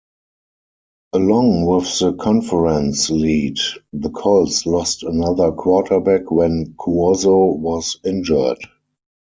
Along with the conference lead, the Colts lost another quarterback when Cuozzo was injured.